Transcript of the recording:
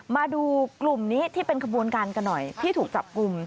มาดูกลุ่มนี้ที่เป็นขบวนการกันหน่อยที่ถูกจับกลุ่ม